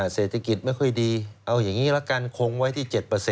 เศรษฐกิจไม่ค่อยดีเอาอย่างนี้ละกันคงไว้ที่๗